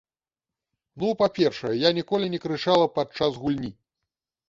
Ну, па-першае, я ніколі не крычала падчас гульні.